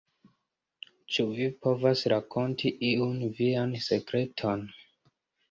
Ĉu vi povas rakonti iun vian sekreton?